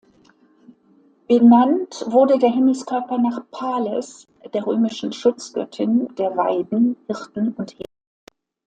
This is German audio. Benannt wurde der Himmelskörper nach Pales, der römischen Schutzgöttin der Weiden, Hirten und Herden.